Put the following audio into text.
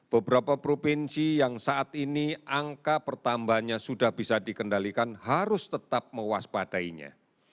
beberapa provinsi yang saat ini angka pertambahannya sudah bisa dikendalikan harus tetap mewaspadainya